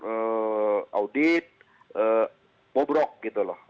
audit bobrok gitu loh